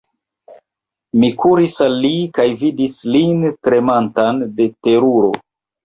Mi kuris al li kaj vidis lin tremantan de teruro.